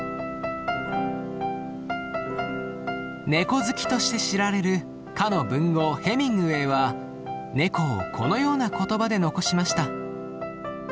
ネコ好きとして知られるかの文豪ヘミングウェイはネコをこのような言葉で残しました。